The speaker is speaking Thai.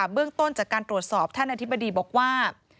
เบื้องต้นจากการตรวจสอบท่านอธิบดีบอกว่า